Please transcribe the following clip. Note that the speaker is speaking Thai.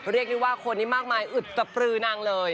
เรียกนึงว่าคนที่มากมายอึดตะปรือนังเลย